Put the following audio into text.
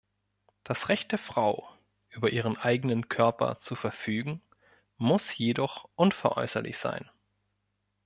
Das Recht der Frau, über ihren eigenen Körper zu verfügen, muss jedoch unveräußerlich sein.